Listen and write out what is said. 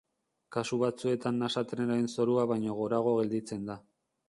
Kasu batzuetan nasa trenaren zorua baino gorago gelditzen da.